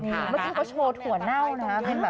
เมื่อกี้เขาโชว์ถั่วเน่านะครับ